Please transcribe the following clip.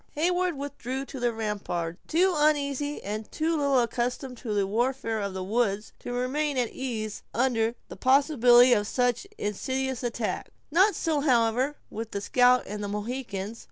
Heyward withdrew to the rampart, too uneasy and too little accustomed to the warfare of the woods to remain at ease under the possibility of such insidious attacks. Not so, however, with the scout and the Mohicans.